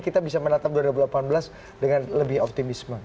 kita bisa menatap dua ribu delapan belas dengan lebih optimisme